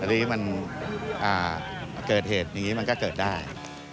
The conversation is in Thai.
อันนี้มันเกิดเหตุอย่างนี้มันก็เกิดได้